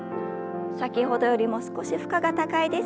先ほどよりも少し負荷が高いです。